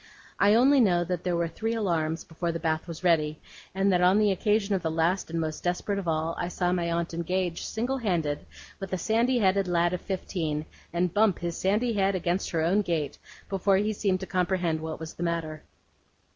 I only know that there were three alarms before the bath was ready; and that on the occasion of the last and most desperate of all, I saw my aunt engage, single handed, with a sandy headed lad of fifteen, and bump his sandy head against her own gate, before he seemed to comprehend what was the matter.